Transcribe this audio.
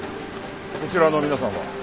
こちらの皆さんは？